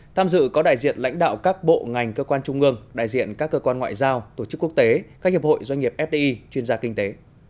tham dự có đại diện lãnh đạo các bộ ngành cơ quan trung ương đại diện các cơ quan ngoại giao tổ chức quốc tế các hiệp hội doanh nghiệp fdi chuyên gia kinh tế